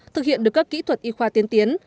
thực hiện được các kỹ thuật y khoa tiến tiến